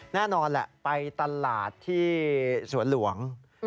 แน่นอนแหละไปตลาดที่สวนหลวง